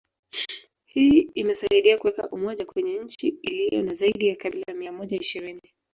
Hii imesaidia kuweka umoja kwenye nchi ilio na zaidi ya kabila mia moja ishirini